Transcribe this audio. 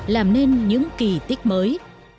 làm nên những kỳ tích mới